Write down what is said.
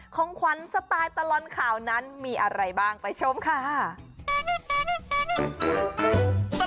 ของขวัญสไตล์ตลอดข่าวนั้นมีอะไรบ้างไปชมค่ะ